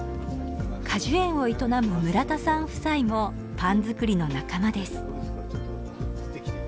果樹園を営む村田さん夫妻もパン作りの仲間です。